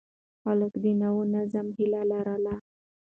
خلک د نوي نظام هيله لرله.